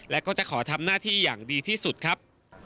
และก็จะขอทำหน้าที่อย่างดีที่สุดครับ